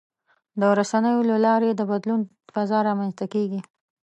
د رسنیو له لارې د بدلون فضا رامنځته کېږي.